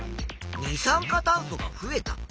「二酸化炭素が増えた」。